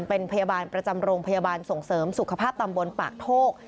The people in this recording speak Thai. เป็นพยาบาลประจำโรงพยาบาลส่งเสริมสุขภาพตำบลปากโทก